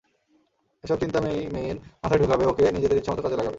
এসব চিন্তা মেই-মেইয়ের মাথায় ঢুকাবে, ওকে নিজেদের ইচ্ছামতো কাজে লাগাবে!